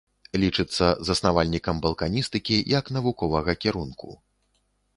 Лічыцца заснавальнікам балканістыкі як навуковага кірунку.